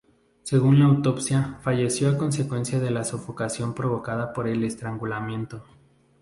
Según la autopsia, falleció a consecuencia de la sofocación provocada por estrangulamiento.